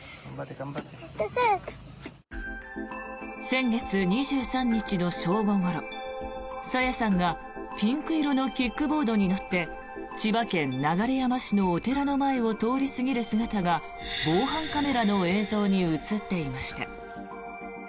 先月２３日の正午ごろ朝芽さんがピンク色のキックボードに乗って千葉県流山市のお寺の前を通り過ぎる姿が防犯カメラの映像に映っていました。